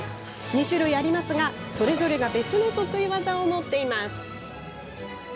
２種類ありますが、それぞれが別の得意技を持っています。